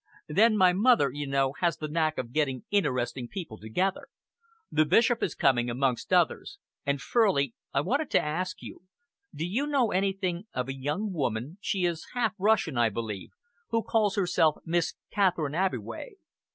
Then my mother, you know, has the knack of getting interesting people together. The Bishop is coming, amongst others. And, Furley, I wanted to ask you do you know anything of a young woman she is half Russian, I believe who calls herself Miss Catherine Abbeway?"